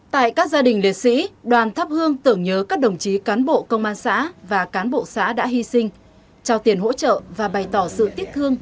tại các gia đình liệt sĩ đoàn thắp hương tưởng nhớ các đồng chí cán bộ công an xã và cán bộ xã đã hy sinh trao tiền hỗ trợ và bày tỏ sự tiếc thương